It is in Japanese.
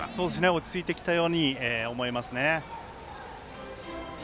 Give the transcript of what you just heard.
落ち着いてきたように思えますね。